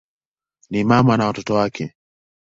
Ni mama na watoto wake.